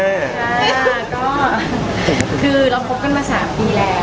ใช่ค่ะก็คือเราคบกันมา๓ปีแล้ว